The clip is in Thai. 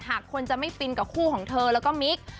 หากคนจะไม่ฟินกับคู่ของเธอแล้วก็มิก